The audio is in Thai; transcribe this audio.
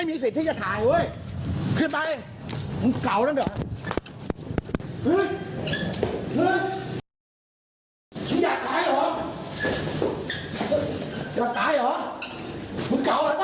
อีกคนหนึ่งครับ